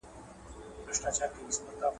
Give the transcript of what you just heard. دا کتابتون له هغه ارام دی!؟